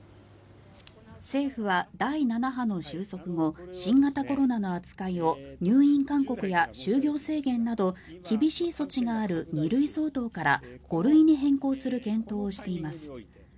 政府は第７波の収束後新型コロナの扱いを入院勧告や就業制限など厳しい措置がある２類相当から５類に変更する検討をしています。